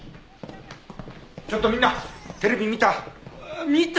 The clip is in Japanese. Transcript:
ちょっとみんなテレビ見た？